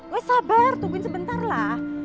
weh sabar tungguin sebentar lah